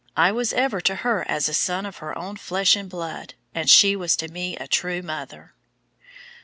I was ever to her as a son of her own flesh and blood and she was to me a true mother."